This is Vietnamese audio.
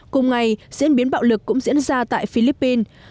cùng ngày diễn biến bạo lực cũng diễn ra tại philippines